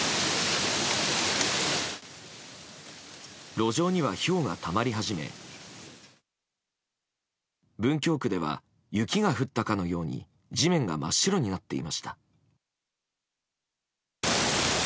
路上には、ひょうがたまり始め文京区では雪が降ったかのように地面が真っ白になっていました。